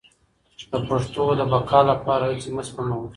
د پښتو د بقا لپاره هڅې مه سپموئ.